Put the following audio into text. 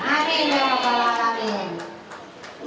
amin ya bapak ibu